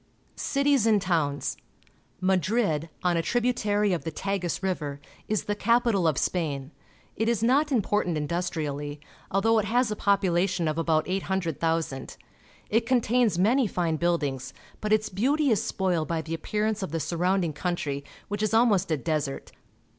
Cities and Towns. — Madrid, on a tributary of the Tagus River, is the capital of Spain. It is not important industriallj', although it has a population of about 800,000. It contains many fine buildings, but its beauty is spoiled by the appearance of the surround ing country, which is almost a desert.